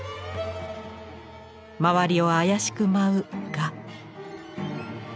周りを妖しく舞う蛾。